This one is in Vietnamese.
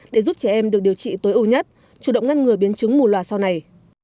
để giúp trẻ em được điều trị tối ưu nhất chủ động ngăn ngừa biến chứng mù loà sau này